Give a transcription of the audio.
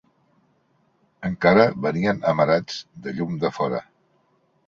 Encara venien amarats de llum de fora